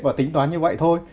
và tính toán như vậy thôi